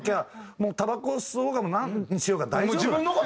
もうたばこ吸おうが何しようが大丈夫。